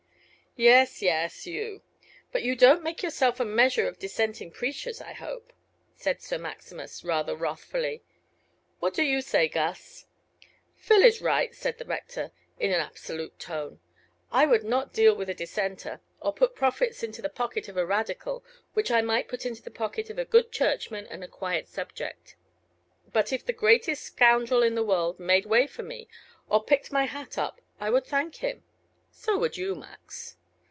"Yes, yes, you; but you don't make yourself a measure of Dissenting preachers, I hope," said Sir Maximus, rather wrathfully. "What do you say, Gus?" "Phil is right," said the rector, in an absolute tone. "I would not deal with a Dissenter, or put profits into the pocket of a Radical which I might put into the pocket of a good Churchman and a quiet subject. But if the greatest scoundrel in the world made way for me, or picked my hat up, I would thank him. So would you, Max."